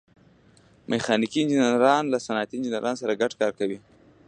میخانیکي انجینران له صنعتي انجینرانو سره ګډ کار کوي.